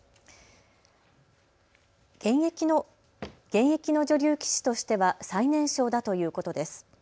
現役の女流棋士としては最年少だということです。